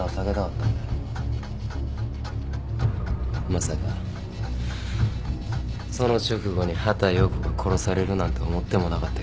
まさかその直後に畑葉子が殺されるなんて思ってもなかったけどな。